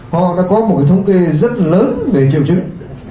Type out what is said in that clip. họ đã có một thông kê rất lớn về triệu chứng